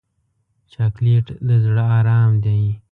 چاکلېټ د زړه ارام دی.